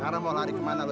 karena mau lari kemana lo